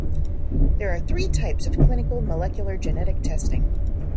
There are three types of clinical molecular genetic testing.